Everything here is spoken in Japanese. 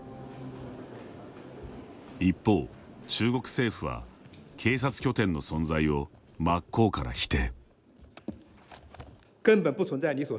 一方、中国政府は警察拠点の存在を真っ向から否定。